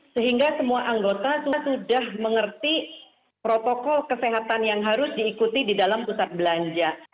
sehingga semua anggota itu sudah mengerti protokol kesehatan yang harus diikuti di dalam pusat belanja